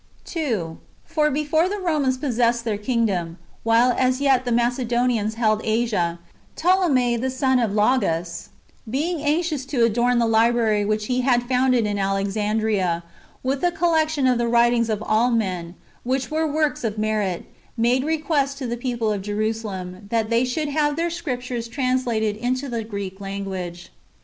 2. For before the Romans possessed their kingdom,^ while as yet the Macedonians held Asia, Ptolemy the son of Lagus, being anxious to adorn the library which he had founded in Alexandria with a collection of the writings of all men, which were [works] of merit, made request to the people of Jeru salem, that they should have their Scriptures translated into the Greek language.